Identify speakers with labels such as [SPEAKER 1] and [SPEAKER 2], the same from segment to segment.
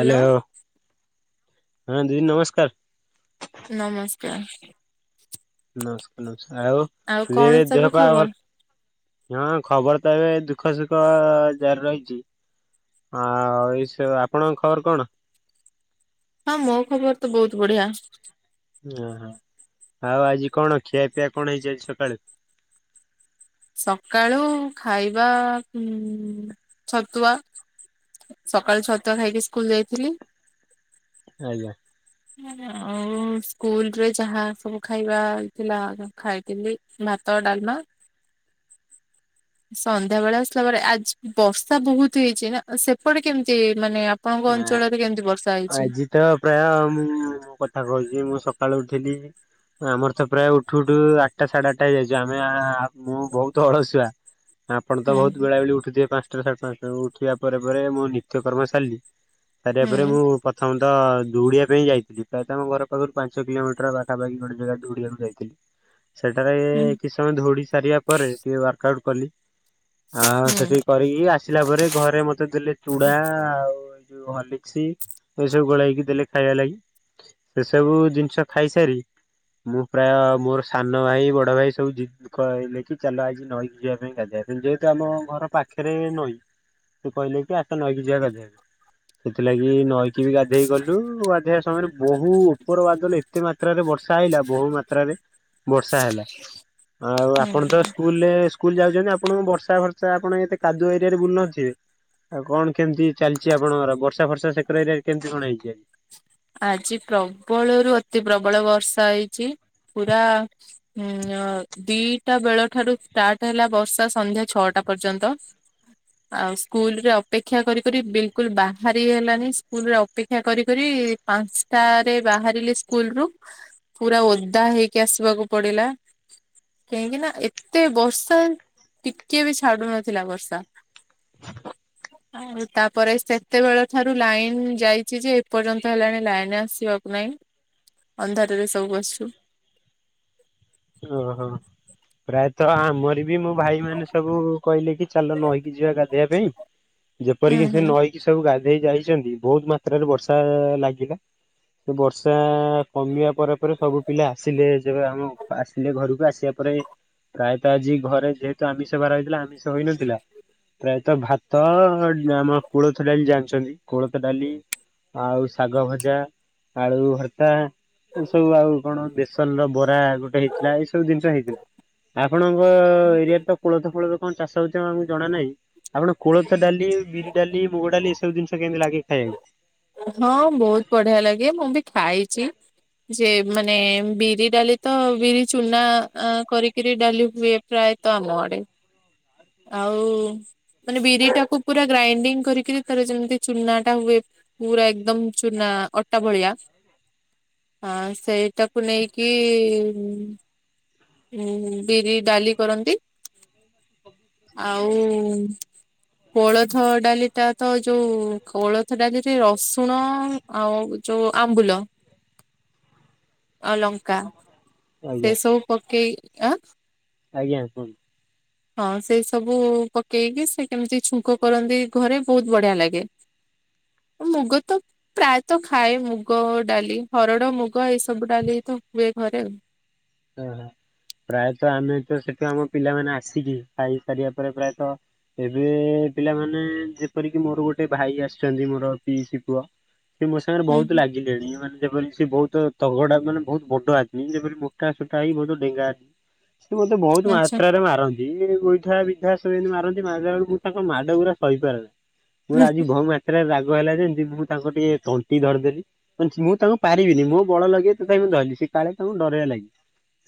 [SPEAKER 1] Hello ହଁ ଦିଦି ନମସ୍କାର।
[SPEAKER 2] ନମସ୍କାର।
[SPEAKER 1] ନମସ୍କାର ନମସ୍କାର ଆଉ
[SPEAKER 2] କଣ
[SPEAKER 1] ଦିଦି ଦେହ
[SPEAKER 2] ସବୁ
[SPEAKER 1] ପା
[SPEAKER 2] ଖବର
[SPEAKER 1] ଭଲ ହଁ ଖବର ତ ଏବେ ଦୁଃଖ ସୁଖ ଜାରି ରହିଛି। ହଁ ଏଇ ସେ ଆପଣଙ୍କ ଖବର କଣ?
[SPEAKER 2] ହଁ ମୋ ଖବର ତ ବହୁତ ବଢିଆ।
[SPEAKER 1] ଓହୋ ଆଉ ଆଜି କଣ ଖିଆପିଆ କଣ ହେଇଛି ଆଜି ସକାଳୁ?
[SPEAKER 2] ସକାଳୁ ଖାଇବା ଉ ଛତୁଆ। ସକାଳୁ ଛତୁଆ ଖାଇକି ସ୍କୁଲ ଯାଇଥିଲି।
[SPEAKER 1] ଆଜ୍ଞା।
[SPEAKER 2] ଆଉ ସ୍କୁଲ ରେ ଯାହା ସବୁ ଖାଇବା ଥିଲା ଖାଇଥିଲି। ଭାତ ଡାଲମା। ସନ୍ଧ୍ୟା ବେଳେ ଆସିଲା ପରେ ଆଜି ବର୍ଷା ବହୁତ ହେଇଛି ନା ସେପଟେ କେମିତି ମାନେ ଆପ ଆପଣଙ୍କ ଅଞ୍ଚଳରେ କେମିତି ବର୍ଷା ହେଇଛି?
[SPEAKER 1] ଆଜି ତ ପ୍ରାୟ ମୁଁ କଥା କହୁଛି ମୁଁ ସକାଳୁ ଉଠିଲି ଆମର ତ ପ୍ରାୟ ଉଠୁ ଉଠୁ ଆଠଟା ସାଢେ ଆଠଟା ହେଇଯାଇଛୁ ଆମେ ମୁଁ ବହୁତ ଅଳସୁଆ। ଆପଣ ତ
[SPEAKER 2] ହୁଁ
[SPEAKER 1] ବହୁତ ବେଳା ବେଳି ଉଠିଥିବେ ପାଞ୍ଚଟାରୁ ସାଢେ ପାଞ୍ଚଟା ଉଠିବା ପରେ ମୁଁ ନିତ୍ୟ କର୍ମ ସାରିଲି। ସାରିବା
[SPEAKER 2] ହୁଁ
[SPEAKER 1] ପରେ ମୁଁ ପ୍ରଥମ ତ ଦୌଡ଼ିବା ପାଇଁ ଯାଇଥିଲି ପ୍ରାୟତଃ ଆମ ଘର ପାଖରୁ ପାଞ୍ଚ କିଲୋମିଟର ପାଖାପାଖି ଗୋଟେ ଜାଗା ଦୌଡ଼ିବାକୁ ଯାଇଥିଲି। ସେଠାରେ
[SPEAKER 2] ହୁଁ
[SPEAKER 1] କିଛି ସମୟ ଦୌଡି ସାରିବା ପରେ ଟିକେ ୱାର୍କ ଆଉଟ କଲି। ଆଉ
[SPEAKER 2] ହୁଁ
[SPEAKER 1] ସେଠିକି କରିକି ଆସିଲା ପରେ ଘରେ ମତେ ଦେଲେ ଚୁଡା ଆଉ ଏଇ ଯୋଉ ହରଲିକ୍ସ ଏ ସବୁ ଗୋଳେଇକି ଦେଲେ ଖାଇବା ଲାଗି। ସେସବୁ ଜିନିଷ ଖାଇସାରି ମୁଁ ପ୍ରାୟ ମୋର ସାନ ଭାଇ ବଡ ଭାଇ ସବୁ ଜି କହିଲେ କି ଚାଲ ଆଜି ନଈକି ଯିବା ପାଇଁ ଗାଧିବା ପାଇଁ ଯେହେତୁ ଆମ ଘର ପାଖରେ ନଈ। ସେ କହିଲେ କି ଆଟା ନଈକି ଯିବା ଗାଧେଇବାକୁ, ସେଥିଲାଗି ନଈକି ବି ଗାଧେଇ ଗଲୁ ଗାଧୋଇେଇବା ସମୟରେ ବହୁ ଉପରବାଦରେ ଏତେ ମାତ୍ରାରେ ବର୍ଷା ହେଇଲା ବହୁ ମାତ୍ରାରେ ବର୍ଷା ହେଲା। ଆଉ ଆପଣ ତ
[SPEAKER 2] ହୁଁ
[SPEAKER 1] ସ୍କୁଲରେ ସ୍କୁଲ ଯାଉଛନ୍ତି ଆପଣ ବର୍ଷା ବର୍ଷା ଆପଣ ଏତେ କାଦୁଅ ଏରିଆ ରେ ବୁଲୁ ନଥିବେ। ଆଉ କଣ କେମିତି ଚାଲିଛି ଆପଣଙ୍କର ବର୍ଷା ଫର୍ଷା ସେକର ଏରିଆରେ କେମିତି କଣ ହେଇଛି ଆ
[SPEAKER 2] ଆଜି ପ୍ରବଳରୁୁ ଅତି ପ୍ରବଳ ବର୍ଷା ହେଇଛି ପୁରା ହୁଁ ଅ। ଦିଟା ବେଳ ଠାରୁ ଷ୍ଟାର୍ଟ ହେଲା ବର୍ଷା ସନ୍ଧ୍ୟା ଛଅଟା ପର୍ଯ୍ୟନ୍ତ। ଆଉ ସ୍କୁଲ ରେ ଅପେକ୍ଷା କରି କରି ବିଲକୁଲ ବାହାରି ହେଲାନି ସ୍କୁଲ ରେ ଅପେକ୍ଷା କରି କରି ପାଞ୍ଚଟାରେ ବାହାରିଲେ ସ୍କୁଲ ରୁ। ପୁରା ଓଦା ହେଇକି ଆସିବାକୁ ପଡିଲା। କାହିଁକି ନା ଏତେ ବର୍ଷା ଟିକେ ବି ଛାଡୁ ନଥିଲା ବର୍ଷା ଆଉ ତାପରେ ସେତେବେଳ ଠାରୁ ଲାଇନ ଯାଇଛି ଯେ ଏପର୍ଯ୍ୟନ୍ତ ହେଲାଣି ଲାଇନ ଆସିବାକୁ ନାାଇଁ ଅନ୍ଧାରରେ ସବୁ ବସଛୁ।
[SPEAKER 1] ଓ ହୋ। ପ୍ରାୟତଃ ଆମର ବି ମୋ ଭାଇ ମାନେ ସବୁ କହିଲେ କି ଚାଲ ନଇକି ଯିବା ଗାଧୋଇବା ପାଇଁ
[SPEAKER 2] ହୁଁ
[SPEAKER 1] ଯେପରିକି ସେ
[SPEAKER 2] ହୁଁ।
[SPEAKER 1] ନଈକି ସବୁ ଗାଧେଇ ଯାଇଛନ୍ତି ବହୁତ ମାତ୍ରାରେ ବର୍ଷା ଲାଗିଲା। ସେ ବର୍ଷା କମିବା ପରେ ପରେ ସବୁ ପିଲା ଆସିଲେ ଯେବେ ଆମ ଆସିଲେ ଘରକୁ ଆସିବା ପରେ ପ୍ରାୟତଃ ଆଜି ଘରେ ଯେହେତୁ ଆମିଷ ବାର ହୋଇଥିଲା ଆମିଷ ହୋଇନଥିଲା। ପ୍ରାୟତଃ ଭାତ ଆମ କୋଳଥ ଡାଲି ଜାଣିଛନ୍ତି କୋଳଥ ଡାଲି ଆଉ ଶାଗ ଭଜା। ଆଳୁ ଭର୍ତ୍ତା ଏ ସବୁ ଆଉ କଣ ବେସନ ର ବରା ଗୋ ହେଇଥିଲା ଏଇ ସବୁ ଜିନିଷ ହେଇଥିଲା। ଆପଣଙ୍କ-ଅ-ଅ-ଅ ଏରିଆରେ ତ କୋଳଥ ଫୋଳଥ କଣ ଚାଷ ହଉଛି ଆ ଆମକୁ ଜଣା ନାହିଁ। ଆପଣକୁ କୋଳଥ ଡାଲି, ବିରି ଡାଲି, ମୁଗ ଡାଲି ଏସବୁ ଜିନିଷ କେମିତି ଲାଗେ ଖାଇବାକୁ?
[SPEAKER 2] ହଁ ବହୁତ ବଢିଆ ଲାଗେ। ମୁଁ ବି ଖାଇଛି। ଯେ ମାନେ ବିରି ଡାଲି ତ ବିରି ଚୁନା ଆ କରିକିରି ଡାଲି ହୁଏ। ପ୍ରାୟତଃ ଆମ ଘରେ। ଆଉ-ଉ-ଉ ମାନେ ବିରି ଟାକୁ ପୁରା ଗ୍ରାଇଣ୍ଡିଙ୍ଗ କରିକିରି ତାର ଯେମତି ଚୁନା ଟା ହୁଏ। ପୁରା ଏକଦମ ଚୁନା ଅଟା ଭଳିଆ। ହଁ ସେଇଟାକୁ ନେଇକି-ଇ-ଇ-ଇ ଉ-ଉ-ଉ ବିରି ଡାଲି କରନ୍ତି। ଆଉ-ଉ-ଉ-ଉ କୋଳଥ ଡାଲିଟା ତ ଯୋଉ କୋଳ ଥ ଡାଲିରେ ରସୁଣ-ଅ-ଅ ଆଉ ଯଉ ଆମ୍ବୁଲ, ଅ ଲଙ୍କା
[SPEAKER 1] ଆଜ୍ଞା
[SPEAKER 2] ସେ ସବୁ ପକେଇ ଆ
[SPEAKER 1] ଆଜ୍ଞା କୁହନ୍ତୁ।
[SPEAKER 2] ହଁ ସେଇ ସବୁ ପକେଇକି ସେ କେମିତି ଛୁଙ୍କ କରନ୍ତି ଘରେ ବହୁତ ବଢ଼ିଆ ଲାଗେ। ମୁଗ ତ ପ୍ରାୟତଃ ଖାଏ ମୁଗ ଡାଲି, ହରଡ, ମୁଗ ଏଇସବୁ ଡାଲି ତ ହୁଏ ଘରେ।
[SPEAKER 1] ହଁ ପ୍ରାୟତଃ ଆମେ ତ ସେଠୁ ଆମ ପିଲାମାନେ ଆସିକି ଖାଇସାରିବା ପରେ ପ୍ରାୟତ ଏବେ-ଏ-ଏ-ଏ ପିଲାମାନେ ଯେପରିକି ମୋର ଗୋଟେ ଭାଇ ଆସିଛନ୍ତି ମୋର ପିଇସିି ପୁଅ ସେ ମୋ ସାଙ୍ଗରେ
[SPEAKER 2] ହୁଁ
[SPEAKER 1] ବହୁତ
[SPEAKER 2] ହୁଁ
[SPEAKER 1] ଲାଗିଲେଣି ମାନେ ଯେପରି ସେ ବହୁତ ତଗଡା ମାନେ ବହୁତ ବଡ ଆଦମି ଯେପରି ମୋ ମୋଟା ସୁଟା ହେଇ ବହୁତ ଡେଙ୍ଗା ଆଦ ସେ ମୋତେ ବହୁତ
[SPEAKER 2] ଆଚ୍ଛା
[SPEAKER 1] ମାତ୍ରାରେ ମାରନ୍ତି। ସିଏ ଗୋଇଠା, ବିିଧା ସବୁ ଏମିତି ମାରନ୍ତି ମାରିଲା ବେଳକୁ ମୁଁ ତାଙ୍କ ମାଡ ଗୁୁରା ସହିପାରେନି। ମୋର
[SPEAKER 2] ହୁଁ
[SPEAKER 1] ଆଜି ବହୁ ମାତ୍ରାରେ ରାଗ ହେଲା ଯେମିତି ମୁଁ ତାଙ୍କ ଟିକେ ତଣ୍ଟି ଧରିଦେଲି। କ ମୁଁ ତାଙ୍କୁ ପାରିବିନି ମୁଁ ବଳ ଲଗେଇ ତଥାପି ମୁଁ ଧରିଲି ସିଏ କାଳେ ତାଙ୍କୁ ଡରାଇବା ଲାଗି।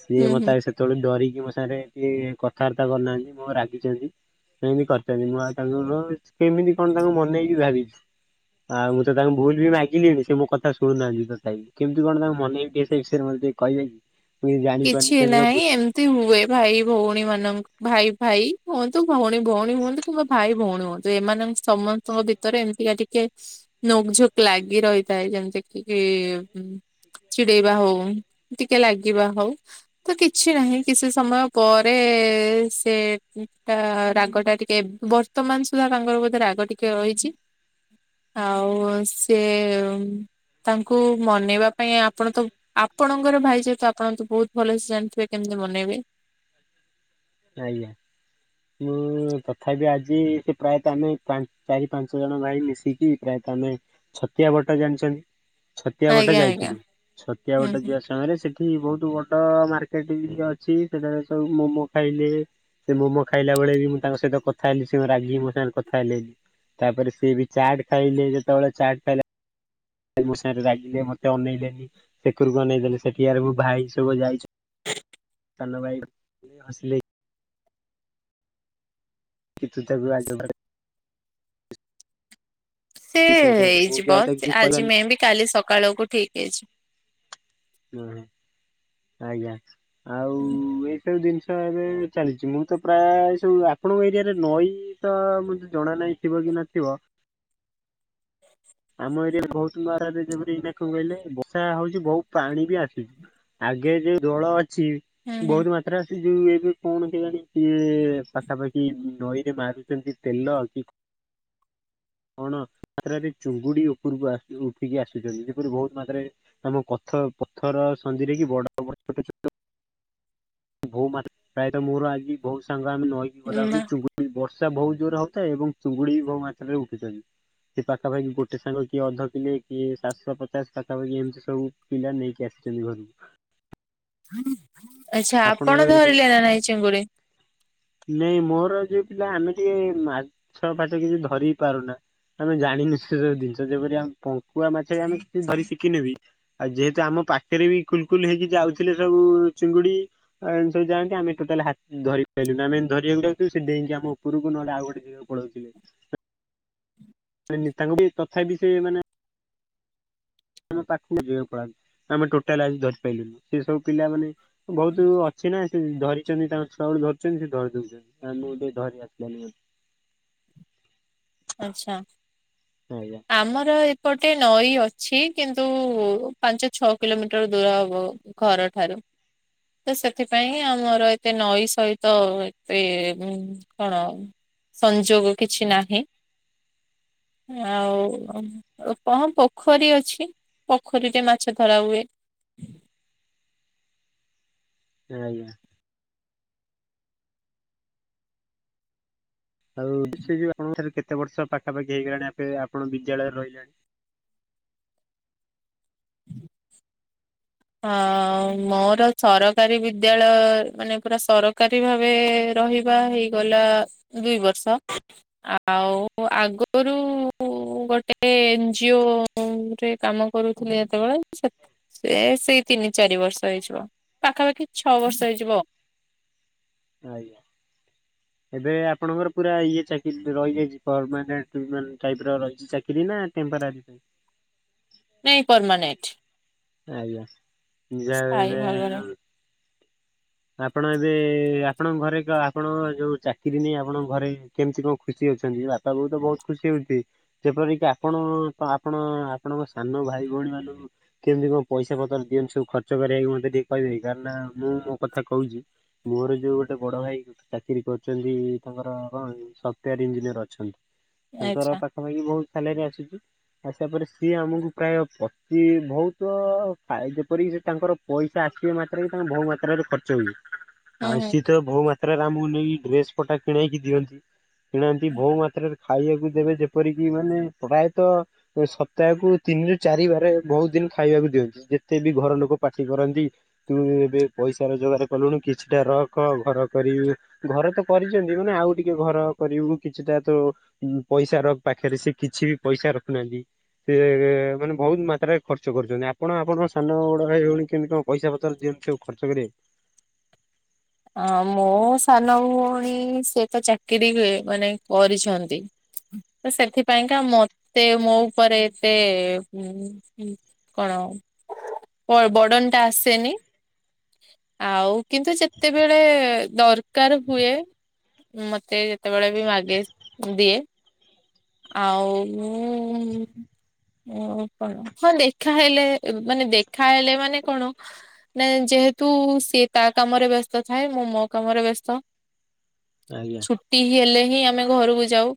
[SPEAKER 1] ସିଏ
[SPEAKER 2] ହୁଁ।
[SPEAKER 1] ମତେ ସେତେବେଳଳେ ଡରିକି ମୋ ସାଙ୍ଗରେ ଟିକେ କଥାବାର୍ତ୍ତା କରୁନାହାନ୍ତି ମୋ ରାଗିଛନ୍ତି। ସେମିତି କରିଚନ୍ତି ମୁଁ ଆଉ ତାଙ୍କର କେମିତି କଣ ତାଙ୍କୁ ମନେଇବି ଭାବିଛି। ଆଉ ମୁଁ ତ ତାଙ୍କୁ ଭୁଲ ବି ମାଗିଲିଣିି ସେ ମୋ କଥା ଶୁଣୁ ନାହାନ୍ତି ତଥାପି। କେମିତି କଣ ତାଙ୍କ ମନେଇବି ଟିକେ ସେ ବିଷୟରେ ମତେ ଟିକେ କହିବେ କି? ମୁଁ ଜାଣିପାରୁନି
[SPEAKER 2] କିଛି
[SPEAKER 1] କେମିତି କଣ
[SPEAKER 2] ନାହିଁ
[SPEAKER 1] ବୁଝ
[SPEAKER 2] ଏମିତି ହୁଏ ଭାଇ ଭଉଣୀ ମାନଙ୍କ ଭାଇ ଭାଇ ହୁଅନ୍ତୁ ଭଉଣୀ ଭଉଣୀ ହୁଅନ୍ତୁ କିମ୍ବା ଭାଇ ଭଉଣୀ ହୁଅନ୍ତୁ ଏମାନଙ୍କ ସମସ୍ତଙ୍କ ଭିତରେ ଏମିତିକା ଟିକେ ନୋକ ଝୁକ୍ ଲାଗି ରହିଥାଏ। ଯେମିତିକି-ଇ-ଇ ଚିଡେଇବା ହଉ, ଟିକେ ଲାଗିବା ହଉ। ତ କିଛି ନାହିଁ କିଛି ସମୟ ପରେ-ଏ-ଏ-ଏ ସେ ଟା ରାଗଟା ଟିକେ ବ ବର୍ତମାନ ସୁଦ୍ଧା ତାଙ୍କର ବୋଧେ ରାଗ ଟିକେ ରହିଛି।
[SPEAKER 1] ଁ
[SPEAKER 2] ଆଉ-ଉ ସିଏ ତାଙ୍କୁ ମନେଇବା ପାଇଁ ଆପଣ ତ ଆପଣଙ୍କର ଭାଇ ଯେହେତୁ ଆପଣ ତ ବହୁତ ଭଲସେ ଜାଣିଥିବେ କେମିତି ମନେଇବେ।
[SPEAKER 1] ଆଜ୍ଞା। ମୁଁ-ଉ-ଉ ତଥାପି ଆଜି ସେ ପ୍ରାୟତ ଆମେ ପା ଚାରି ପାଞ୍ଚ ଜଣ ଭାଇ ମିଶିକି ପ୍ରାୟତଃ ଆମେ ଛତିଆ ବଟ ଜାଣିଛନ୍ତି ଛତିଆ ବଟ
[SPEAKER 2] ଆଜ୍ଞା ଆଜ୍ଞା
[SPEAKER 1] ଯାଇଥିଲୁ। ଛତିଆ
[SPEAKER 2] ହୁଁ
[SPEAKER 1] ବଟ
[SPEAKER 2] ହୁଁ।
[SPEAKER 1] ଯିବାସ ମୟରେ ସେଠି ବହୁତ ବଡ ମାର୍କେଟ ଇଏ ଅଛି ସେଠାରେ ସବୁ ମୋମୋ ଖାଇଲେ ସେ ମୋମୋ ଖାଇଲା ବେଳେ ବି ମୁଁ ତାଙ୍କ ସହିତ କଥା ହେଲି ସେ ରାଗିକି ମୋ ସାଙ୍ଗରେ କଥା ହେଲେନି। ତାପରେ ସିଏ ବି ଚାଟ୍ ଖାଇଲେ ଯେତେବେଳେ ଚାଟ୍ ଖାଇଲା ମୋ ସାଙ୍ଗରେ ରାଗିଲେ ମତେ ଅନେଇଲେନି ସେକରକୁ ଅନେଇ ଦେଲେ ସେଠି ଆରେ ମୁଁ ଭାଇ ସବୁ ଯାଇଛୁ। ସାନ ଭାଇ ହସିଲେ। କି ତୁ ତାକୁ ଆଗ ବାଡେ
[SPEAKER 2] ସେ
[SPEAKER 1] ତୋ ଉପରେ ମୁଁ ବି
[SPEAKER 2] ହେଇଯିବ
[SPEAKER 1] ଆଉ ତାକୁ କିଛି
[SPEAKER 2] ଆଜି ମେ ବି କାଲି ସକାଳକୁ ଠିକ୍ ହେଇଯିବ।
[SPEAKER 1] ଉ ହୁ ଆଜ୍ଞା ଆଉ ଏଇସବୁ ଜିନିଷ ପ୍ରାଏ ଏବେ ଚାଲିଛି ମୁଁ ତ ପ୍ରାୟ ସବୁ ଆପଣଙ୍କ ଏରିଆରେ ନଈ ତ ମତେ ଜଣା ନାହିଁ ଥିବ କି ନଥିବ। ଆମ ଏରିଆରେ ଗୌତ ମହାରାଜରେ ଯେପରି ଇନା କଣ କହିଲେ ବର୍ଷା ହଉଛି ବହୁତ ପାଣି ବି ଆସୁଛି। ଆଗେ ଯୋଉ ଦଳ ଅଛି
[SPEAKER 2] ହୁଁ ହୁଁ।
[SPEAKER 1] ବହୁତ ମାତ୍ରା ଯୋଉ ଏବେ କଣ କେଜାଣି ସିଏ ପାଖାପାଖି ନଈରେ ମାରୁଛନ୍ତି ତେଲ କି କଣ [unintelligible] ଚୁଙ୍ଗୁଡ଼ି ଉପରକୁ ଆସିକି ଉଠିକି ଆସୁଛନ୍ତି ଯେପରି ବହୁତ ମାତ୍ରାରେ ଆମ ପଥ ପଥର ସନ୍ଧିରେ କି ବଡ଼ [unintelligible] ବହୁ ମା ପ୍ରାୟତଃ ମୋର ଆଜି ବହୁତ୍ ସାଙ୍ଗ ଆମେ ନଈ
[SPEAKER 2] ନା
[SPEAKER 1] ଗଲାବେଳେ ଚୁଙ୍ଗୁଡି ବର୍ଷା ବହୁତ ଜୋରେ ହଉଥାଏ ଏବଂ ଚୁଙ୍ଗୁଡି ବି ବହୁ ମାତ୍ରାରେ ଉଠିଛନ୍ତି। ପାଖାପାଖି ଗୋଟେ ସାଙ୍ଗ କିଏ ଅଧ କିଲେ କିଏ ସାତଶହ ପଚାଶ ପାଖାପାଖି ଏମିତି ସବୁ ପିଲା ନେଇକି ଆସିଛନ୍ତି ଘରକୁ।
[SPEAKER 2] ଆଚ୍ଛା ଆପଣ
[SPEAKER 1] ଆପଣଙ୍କ
[SPEAKER 2] ଧରିଲେ ନା ନାଇଁ ଚିଙ୍ଗୁଡ଼ି?
[SPEAKER 1] ନାଇଁ ମୋର ଯୋଉ ପିଲା ଆମେ ଟିକେ ମାଛ ଫାଛ କିଛି ଧରି ପାରୁନା। ଆମେ ଜାଣିନୁ ସେ ସବୁ ଜିନିଷ ଯେପରି ଆମ ପଙ୍କୁଆ ମାଛ ବି ଆମେ କିଚି ଧରି ଶିଖିନୁ ବି। ଆଉ ଯେହେତୁ ଆମ ପାଖରେ ବି କୁଲ କୁଲ ହେଇକି ଯାଉଥିଲେ ସବୁ ଚିଙ୍ଗୁଡ଼ି ଆ ଏମତି ସବୁ ଯାଆନ୍ତି ଆମେ ଟୋଟାଲ୍ ହା ଧରି ପାଇଲୁନି। ଆମେ ଯେମିତି ଧରିବାକୁ ଯାଉଥିବୁ ସେ ଡେଇଙ୍କି ଆମ ଉପରକୁ ନହେଲେ ଆଉ ଗୋଟେ ଜେଗାକୁ ପଳାଉଥିବେ। ମାନ ନେତାଙ୍କ ବି ତଥାପି ସେ ମାନେ କୁ [unintelligible] ଆମେ ଟୋଟାଲ ଆଜି ଧରି ପାରଲୁନୁ ସେ ସବୁ ପିଲାମାନେ ବହୁତ ଅଛି ନା ସେ ଧରିଛନ୍ତି ତାଙ୍କ ଛୁଆ ବେଳୁ ଧରୁଛନ୍ତି ସେ ଧରି ଦଉଛନ୍ତି। ଆମକୁ ଟିକେ ଧରି ଆସେନି।
[SPEAKER 2] ଆଛା
[SPEAKER 1] ଆଜ୍ଞା
[SPEAKER 2] ଆମର ଏ ଗୋଟେ ନଈ ଅଛି କିନ୍ତୁ ପାଞ୍ଚ ଛଅ କିଲୋମିଟର ଦୂର ହବ। ଘରଠାରୁ। ତ ସେଥିପାଇଁ ଆମର ଏତେ ନଈ ସହିତ ଏତେ କଣ ସଂଯୋଗ କିଛି ନାହିଁ। ଆଉ କଣ ପୋଖରୀ ଅଛି ପୋଖରୀରେ ମାଛ ଧରା ହୁଏ।
[SPEAKER 1] ଆଜ୍ଞା। ଆଉ ସେ ଯୋଉ ଆପଣଙ୍କରେ କେତେ ବର୍ଷ ପାଖାପାଖି ହେଇଗଲାଣି ଆପେ ଆପଣ ବିଦ୍ୟାଳୟରେ ରହିଲେଣି?
[SPEAKER 2] ହଁ ମୋର ସରକାରୀ ବିଦ୍ୟାଳୟ ମାନେ ପୁରା ସରକାରୀ ଭାବେ ରହିବା ହେଇଗଲା ଦୁଇ ବର୍ଷ। ଆ ଆଉ ଆଗରୁ ମୁଁ ଗୋଟେ ଏନଜିଓ ରେ କାମ କରୁଥିଲି ଯେତେବେଳେ ସେତେ ସେ ସେଇ ତିନି ଚାରି ବର୍ଷ ହେଇଯିବ ପାଖାପାଖି ଛଅ ବର୍ଷ ହେଇଯିବ।
[SPEAKER 1] ଆଜ୍ଞା। ଏବେ ଆପଣଙ୍କର ପୁରା ଇଏ ଚାକିରି ରହିଯାଇଛି ପରମାନେଣ୍ଟ ଟାଇପର ରହିଛି ଚାକିରି ନା ଟେମ୍ପରାରୀ ଟାଇପ।
[SPEAKER 2] ନାଇଁ ପରମାନେଣ୍ଟ।
[SPEAKER 1] ଆଜ୍ଞା ଯାହା
[SPEAKER 2] ସ୍ଥାୟୀ
[SPEAKER 1] ବି
[SPEAKER 2] ଭାବରେ
[SPEAKER 1] ହେଲେ ଆପଣ ଏବେ ଆପଣଙ୍କ ଘରେ ଆପଣ ଯୋଉ ଚାକିରି ନେଇ ଆପଣଙ୍କ ଘରେ କେମିତି କଣ ଖୁସି ଅଛନ୍ତି ବାପା ବୋଉ ତ ବହୁତ ଖୁସି ହଉଥିବେ? ଯେପର କିି ଆପଣ ତ ଆପଣ ଆପଣଙ୍କ ସାନ ଭାଇ ଭଉଣୀ ମାନକୁ କେମିତି କଣ ପଇସା ପତ୍ର ଦିଅନ୍ତି ସବୁ ଖର୍ଚ୍ଚ କରିବା କି ମତେ ଟିକେ କହିବେ କାଇଁ ନା ମୁଁ ମୋ କଥା କହୁଛି ମୋର ଯୋଉ ଗୋଟେ ବଡ଼ ଭାଇ ଚାକିରୀ କରୁଛନ୍ତି ତାଙ୍କର ସଫ୍ଟୱାର ଇଞ୍ଜିନିୟର ଅଛନ୍ତି। ତାଙ୍କର
[SPEAKER 2] ଆଚ୍ଛା
[SPEAKER 1] ପାଖାପାଖି ବହୁତ ସାଲାରୀ ଆସୁଛି ଆସିବା ପରେ ସିଏ ଆମକୁ ପ୍ରାୟ ପତି ବହୁତ ତ ଫା ଯେପରିକି ସେ ତାଙ୍କର ପଇସା ଆସିବା ମାତ୍ରକେ ତାଙ୍କ ବହୁ ମାତ୍ରାରେ ଖର୍ଚ୍ଚ ହୁଏ।
[SPEAKER 2] ହୁଁ
[SPEAKER 1] ଆଉ
[SPEAKER 2] ହୁଁ।
[SPEAKER 1] ସିଏ ତ ବହୁ ମାତ୍ରାରେ ଆମକୁ ନେଇକି ଡ୍ରେସ ପଟା କିଣେଇକି ଦିଅନ୍ତି। କିଣନ୍ତି ବହୁ ମାତ୍ରାରେ ଖାଇବାକୁ ଦେବେ ଯେପରିକି ମାନେ ପ୍ରାୟତଃ ସପ୍ତାହକୁ ତିନିରୁ ଚାରିବାର ବହୁତ ଦିନ ଖାଇବାକୁ ଦିଅନ୍ତି, ଯେତେ ବି ଘର ଲୋକ ପାଟି କରନ୍ତି ତୁ ଏବେ ପଇସା ରୋଜଗାର କଲୁଣି, କିଛିଟା ରଖ ଘର କରିବୁ। ଘର ତ କରିଚନ୍ତି, ମାନେ ଆଉ ଟିକେ ଘର କରିବୁ। କିଛିଟା ତ ପଇସା ରଖ ପାଖରେ, ସେ କିଛି ବି ପଇସା ରଖୁନାହାନ୍ତି। ସେ ମାନେ ବହୁତ ମାତ୍ରାରେ ଖର୍ଚ୍ଚ ଖର୍ଚ୍ଚ କରୁଛନ୍ତି। ଆପଣ ଆପଣଙ୍କ ସାନ ଭାଇ ଭଉଣୀକି କେମିତି କଣ ପଇସା ପତର ଦିଅନ୍ତି, ସବୁ ଖର୍ଚ୍ଚ କରିବାକୁ।
[SPEAKER 2] ହଁ ମୋ ସାନ ଭଉଣୀ ସେ ତ ଚାକିରି, ମାନେ କରିଛନ୍ତି। ତ ସେଥିପାଇଁକା, ମତେ ମୋ ଉପରେ ଏତେ କଣ ବ-ବର୍ଡନ ଟା ଆସେନି। ଆଉ କିନ୍ତୁ ଯେତେବେଳେ ଦରକାର ହୁଏ। ମତେ ସେତେବେଳେ ବି ମାଗେ ଦିଏ। ଆଉ ହଁ ଦେଖାହେଲେ, ମାନେ ଦେଖାହେଲେ ମାନେ କଣ ନାଇଁ ଯେହେତୁ ସିଏ ତା କାମରେ ବ୍ୟସ୍ତ ଥାଏ, ମୁଁ ମୋ କାମରେ ବ୍ୟସ୍ତ।
[SPEAKER 1] ଆଜ୍ଞା।
[SPEAKER 2] ଛୁଟି ହେଲେ ହିଁ ଆମେ ଘରୁକୁ ଯାଉ।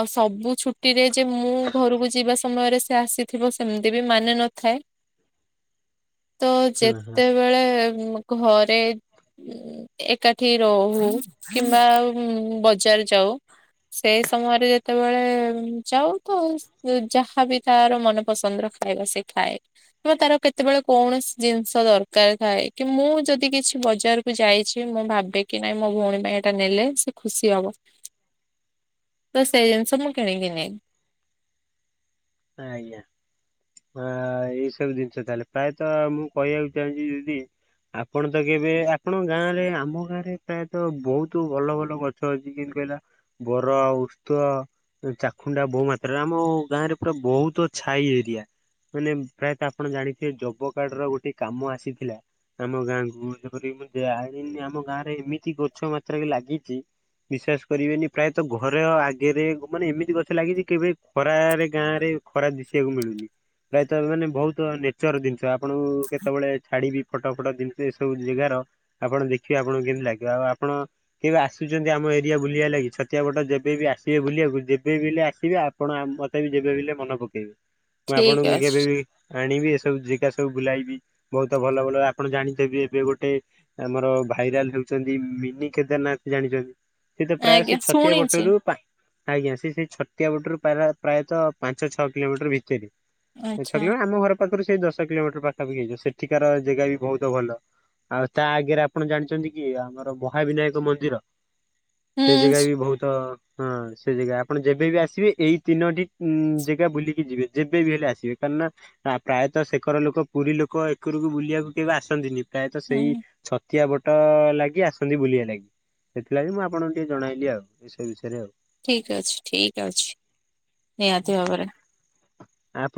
[SPEAKER 2] ଆଉ ସବୁ ଛୁଟିରେ ଯେ ମୁଁ ଘରୁକୁ ଯିବା ସମୟରେ, ସେ ଆସିଥିବ ସେମିତି ବି ମାନେ ନଥାଏ। ତ
[SPEAKER 1] ହଁ ହଁ।
[SPEAKER 2] ଯେତେବେଳେ ଘରେ ଏକାଠି ରହୁ କିମ୍ବା ବଜାର ଯାଉ। ସେ ସମୟରେ ଯେତେବେଳେ ଯାଉ ତ, ଯାହାବି ତାର ମନପସନ୍ଦର ଖାଇବା ସେ ଖାଏ। କିମ୍ବା ତାର କେତେବେଳେ କୌଣସି ଜିନିଷ ଦରକାର ଥାଏ, କି ମୁଁ ଯଦି କିଛି ବଜାର ଯାଇଛି ମୁଁ ଭାବେ କି, ନାଇଁ ମୋ ଭଉଣୀ ପାଇଁ ଏଇଟା ନେଲେ ସେ ଖୁସି ହବ। ତ ସେଇ ଜିନିଷ ମୁଁ କିଣିକି ନିଏ।
[SPEAKER 1] ଆଜ୍ଞା। ହଁ ଏଇ ସବୁ ଜିନିଷ, ତାହେଲେ ପ୍ରାୟତଃ ମୁଁ କହିବାକୁ ଚାହୁଁଛି ଦିଦି ଆପଣ ତ କେବେ, ଆପଣଙ୍କ ଗାଁରେ ଆମ ଗାଁରେ ପ୍ରାୟତଃ ବହୁତ ଭଲ ଭଲ ଗ ଛ ଅଛି। କେମତି କଇଲା ବର, ଓସ୍ତ, ଚାଖୁଣ୍ଡା ବହୁ ମାତ୍ରାରେ। ଆମ ଗାଁରେ ପୁରା ବହୁତ ଛାଇ ଏରିଆ। ମାନେ ପ୍ରାୟତଃ ଆପଣ ଜାଣିଥିବେ, ଜବ କାର୍ଡର ଗୋଟେ କାମ ଆସିଥିଲା। ଆମ ଗାଁକୁ, ଯେପରି ମୁଁ ଜାଣିନି ଆମ ଗାଁରେ ଏମିତି ଗଛ ମାତ୍ରାକେ ଲାଗିଛି ବିଶ୍ୱାସ କରିବେନି, ପ୍ରାୟତଃ ଘର ଆଗରେ ମାନେ ଏମିତି ଗଛ ଲାଗିଛି କେବେ ଖରାରେ ଗାଁରେ ଖରା ଦିଶିବାକୁ ମିଳୁନି। ପ୍ରାୟତଃ ଏବେ ମାନେ ବହୁତ ନେଚର୍ ଜିନିଷ। ଆପଣଙ୍କୁ କେତେବେଳେ ଛାଡିବି, ଫଟୋ ଫଟ ଯେମିତି ଏସବୁ ଜାଗାର ଆପଣ ଦେଖିବେ, ଆପଣଙ୍କୁ କେମତି ଲାଗିବ? ଆଉ ଆପଣ କେବେ ଆସୁଛନ୍ତି ଆମ ଏରିଆ ବୁଲିଆ ଲାଗି? ଛତିଆ ବଟ ଯେବେ ବିି ଆସିବେ ବୁଲିଆକୁ, ଯେବେ ବି ହେଲେ ଆସିବେ ଆପଣ ଆମ ଯେବେ ବି ହେଲେ ମନେ ପକେଇବେ, ମୁଁ
[SPEAKER 2] ଠିକ
[SPEAKER 1] ଆପଣଙ୍କୁ
[SPEAKER 2] ଅଛି।
[SPEAKER 1] କେବେ ବି ଆଣିବି ଏସବୁ ଜାଗା ସବୁ ବୁଲାଇବି। ବହୁତ ଭଲ ଭଲ ଆପଣ ଜାଣିଥିବେ, ଏବେ ଗୋଟେ ଆମର ଭାଇରାଲ ହଉଛନ୍ତି, ମିନି କେଦାରନାଥ ଜାଣିଚନ୍ତି? ସେ ତ ପ୍ରାୟ ସେ
[SPEAKER 2] ଆଜ୍ଞା
[SPEAKER 1] ଛତିଆ
[SPEAKER 2] ଶୁଣିଛି
[SPEAKER 1] ବଟରୁ, ଆଜ୍ଞା ସେ ସେ ଛତିଆ ବଟରୁ ପ୍ରା ପ୍ରାୟତଃ ପାଞ୍ଚ ଛଅ କିଲୋମିଟର ଭିତରେ, ଛ
[SPEAKER 2] ଆଚ୍ଛା
[SPEAKER 1] କିଲୋମିଟର ଆମ ଘର ପାଖରୁ ସେଇ ଦଶ କିଲୋମିଟର ପାଖାପାଖି ହେଇଯିବ। ସେଠିକାର ଜେଗା ବି ବହୁତ ଭଲ। ଆଉ ତା ଆଗରେ ଆପଣ ଜାଣିଚନ୍ତି କି, ଆମର ମହାବିନାୟକ ମନ୍ଦିର।
[SPEAKER 2] ହୁଁ
[SPEAKER 1] ସେ ଜେଗା ବି ବହୁତ, ହଁ ସେ ଜେଗା। ଆପଣ ଯେବେ ବି ଆସିବେ ଏଇ ତିନୋଟି ଉଁ ଜାଗା ବୁଲିକି ଯିବେ। ଯେବେ ବି ହେଲେ ଆସିବେ କାରଣ ଆ ପ୍ରାୟତଃ ସେକର ଲୋକ ପୁରୀ ଲୋକ, ଏକରକୁ ବୁଲିଆକୁ କେବେ ଆସନ୍ତିନି। ପ୍ରାୟତଃ ସେଇ
[SPEAKER 2] ହୁଁ
[SPEAKER 1] ଛତିଆ ବଟ ଲାଗି, ଆସନ୍ତି ବୁଲିଆ ଲାଗି। ସେଥିଲାଗି ମୁଁ ଆପଣଙ୍କୁ ଟିକେ ଜଣାଇଲି ଆଉ ଏସବୁ ବିଷୟରେ ଆଉ।
[SPEAKER 2] ଠିକ୍ ଅଛି ଠିକ୍ ଅଛି ନିହାତି ଭାବରେ।
[SPEAKER 1] ଆଉ।